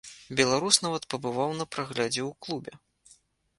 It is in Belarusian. Беларус нават пабываў на праглядзе ў клубе.